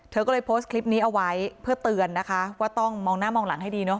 เธอก็เลยโพสต์คลิปนี้เอาไว้เพื่อเตือนนะคะว่าต้องมองหน้ามองหลังให้ดีเนอ